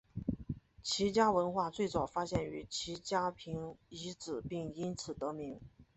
齐家文化最早发现于齐家坪遗址并因此得名。